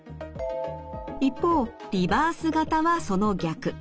一方リバース型はその逆。